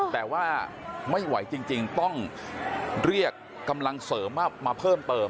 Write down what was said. แต่ว่าไม่ไหวจริงต้องเรียกกำลังเสริมมาเพิ่มเติม